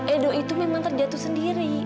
edo itu memang terjatuh sendiri